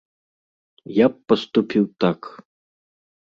Я б паступіў так.